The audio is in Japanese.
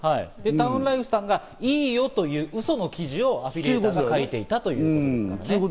タウンライフさんがいいよといううその記事をアフィリエイターが書いていたということですね。